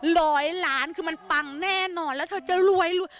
ร้อยล้านคือมันปังแน่นอนแล้วเธอจะรวยรวย